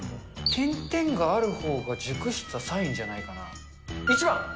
点々があるほうが熟したサインじゃないかな？